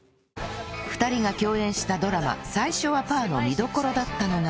２人が共演したドラマ『最初はパー』の見どころだったのが